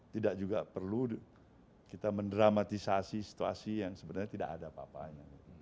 tidak juga perlu kita mendramatisasi situasi yang sebenarnya tidak ada apa apanya